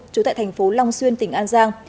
trú tại thành phố long xuyên tỉnh an giang